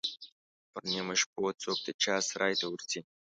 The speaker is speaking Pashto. پر نیمو شپو څوک د چا سرای ته ورځي.